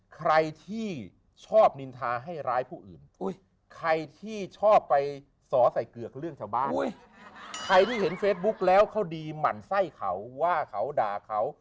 ใครที่เห็นเฟซบุ๊คแล้วเขาดีหมั่นไส้เขาว่าเขาด่าเขา